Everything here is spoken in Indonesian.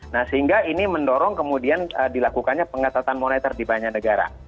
nah sehingga ini mendorong kemudian dilakukannya pengetatan moneter di banyak negara